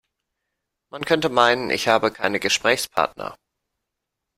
Man könnte meinen, ich habe keine Gesprächspartner.